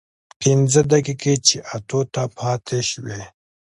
پينځه دقيقې چې اتو ته پاتې سوې.